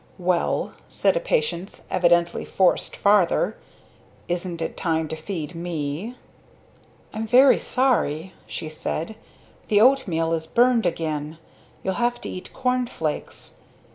"Well," with a patience evidently forced farther, "isn't it time to feed me?" "I'm very sorry," she said. "The oatmeal is burned again. You'll have to eat cornflakes.